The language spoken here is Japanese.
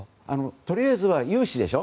とりあえずは融資でしょ。